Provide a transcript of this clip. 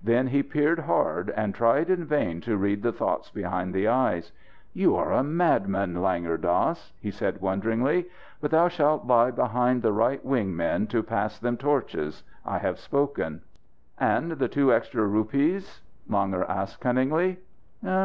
Then he peered hard, and tried in vain to read the thoughts behind the eyes. "You are a madman, Langur Dass," he said wonderingly. "But thou shalt lie behind the right wing men to pass them torches. I have spoken." "And the two extra rupees?" Langur asked cunningly.